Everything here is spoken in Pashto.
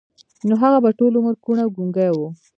نو هغه به ټول عمر کوڼ او ګونګی و.